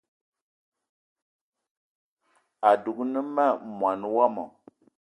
Adugna ma mwaní wama